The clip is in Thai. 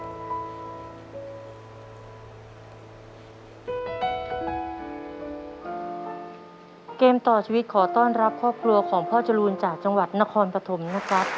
เกมต่อชีวิตขอต้อนรับครอบครัวของพ่อจรูนจากจังหวัดนครปฐมนะครับ